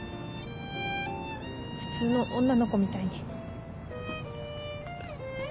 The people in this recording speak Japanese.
普通の女の子みたいに。